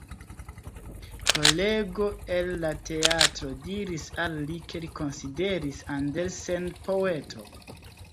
Kolego el la teatro diris al li ke li konsideris Andersen poeto.